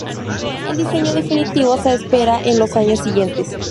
El diseño definitivo se espera en los años siguientes.